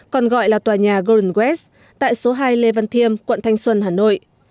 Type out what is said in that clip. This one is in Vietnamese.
còn gọi là tòa nhà golden west tại số hai lê văn thiêm quận thanh xuân hà nội